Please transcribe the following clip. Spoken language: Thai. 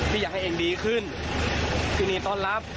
อยากให้เองดีขึ้นยินดีต้อนรับ